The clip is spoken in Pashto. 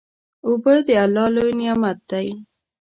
اوبه د الله لوی نعمت دی.